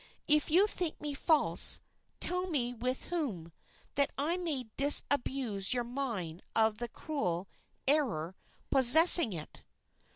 If you think me false, tell me with whom, that I may disabuse your mind of the cruel error possessing it."